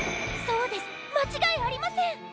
そうですまちがいありません！